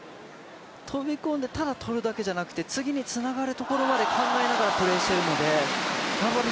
飛び込んで、ただ取るだけじゃなくて、次につながるところまで考えながらプレーしてるので。